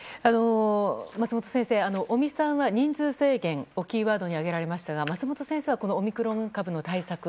松本先生、尾身さんは人数制限をキーワードに挙げられましたが松本先生はオミクロン株の対策